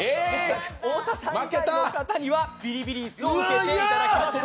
太田さん以外の方にはビリビリ椅子を受けていただきます。